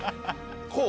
こう？